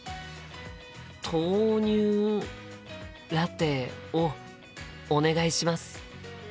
豆乳ラテをお願いします。